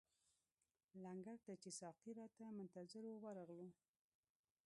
لنګر ته چې ساقي راته منتظر وو ورغلو.